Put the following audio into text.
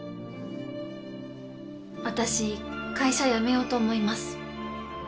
私会社辞めようと思います。